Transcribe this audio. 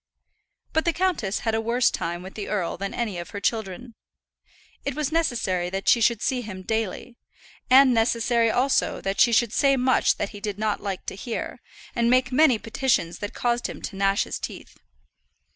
But the countess had a worse time with the earl than any of her children. It was necessary that she should see him daily, and necessary also that she should say much that he did not like to hear, and make many petitions that caused him to gnash his teeth.